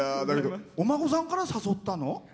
だけどお孫さんから誘ったの？